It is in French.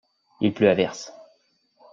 Il pleut à verse.